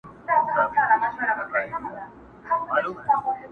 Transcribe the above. پلار یې پلنډه کړ روان مخ پر بېدیا سو!.